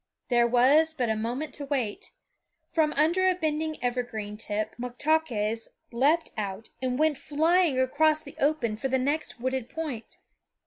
There was but a moment to wait. From under a bending evergreen tip Moktaques leaped out and went flying across the open for the next wooded point.